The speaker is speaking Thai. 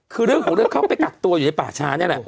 คือเรื่องของเรื่องเขาไปกักตัวอยู่ในป่าช้านี่แหละ